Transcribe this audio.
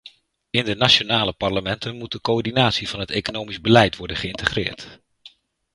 In de nationale parlementen moet de coördinatie van het economisch beleid worden geïntegreerd.